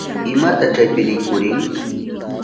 ¿Imata chaypi rikurin?